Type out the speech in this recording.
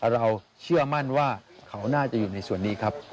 เราเชื่อมั่นว่าเขาน่าจะอยู่ในส่วนนี้ครับ